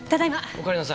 おかえりなさい。